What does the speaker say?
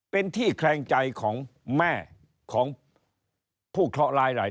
เป็นที่แคลงใจของแม่ของผู้เคราะห์ร้ายหลาย